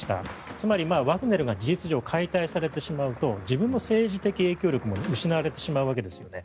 つまりワグネルが事実上解体されてしまうと自分の政治的影響力も失われてしまうわけですよね。